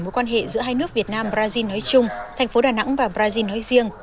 mối quan hệ giữa hai nước việt nam brazil nói chung thành phố đà nẵng và brazil nói riêng